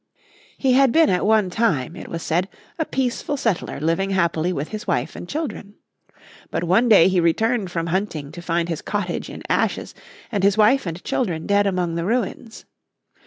He had been at one time, it was said, a peaceful settler living happily with his wife and children. But one day he returned from hunting to find his cottage in ashes, and his wife and children dead among the ruins.